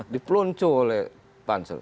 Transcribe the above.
di pelonco oleh panser